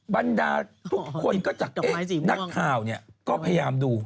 บรรดาทุกคนจากเองนักข่าวเนี่ยก็แพรยามดู